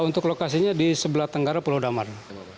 untuk lokasinya di sebelah tenggara pulau damar